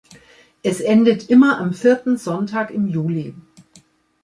Es endet immer am vierten Sonntag im Juli.